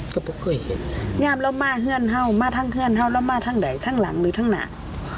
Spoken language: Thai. ก็ไม่เคยเห็นงามแล้วมาเฮือนเห่ามาทั้งเพื่อนเห่าแล้วมาทั้งใดทั้งหลังหรือทั้งหนา